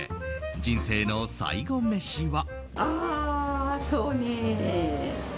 人生の最後メシは。